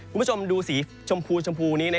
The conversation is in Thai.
คุณผู้ชมดูสีชมพูนี้